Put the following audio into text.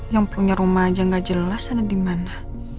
yang punya rumah aja gak jelas ada dimana